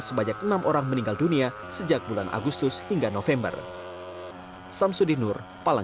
sebanyak enam orang meninggal dunia sejak bulan agustus hingga november